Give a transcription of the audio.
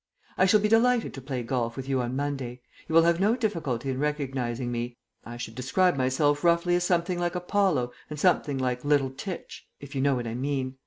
I shall be delighted to play golf with you on Monday. You will have no difficulty in recognizing me. I should describe myself roughly as something like Apollo and something like Little Tich, if you know what I mean.